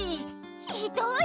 ひどい！